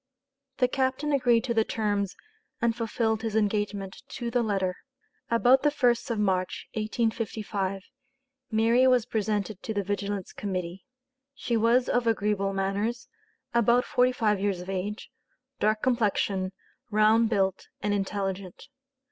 The captain agreed to the terms and fulfilled his engagement to the letter. About the 1st of March, 1855, Mary was presented to the Vigilance Committee. She was of agreeable manners, about forty five years of age, dark complexion, round built, and intelligent.